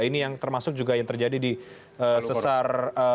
ini yang termasuk juga yang terjadi di sesar